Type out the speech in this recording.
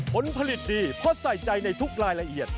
ผลผลิตดีเพราะใส่ใจในทุกรายละเอียด